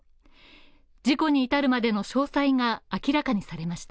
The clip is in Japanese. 事故に至るまでの詳細が明らかにされました。